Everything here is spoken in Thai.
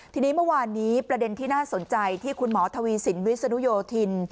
ทีนี้เมื่อวานนี้ประเด็นที่น่าสนใจที่คุณหมอทวีสินวิศนุโยธิน